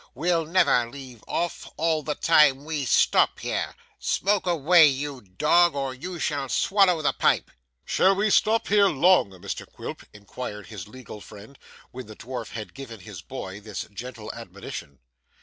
We'll never leave off, all the time we stop here smoke away, you dog, or you shall swallow the pipe!' 'Shall we stop here long, Mr Quilp?' inquired his legal friend, when the dwarf had given his boy this gentle admonition.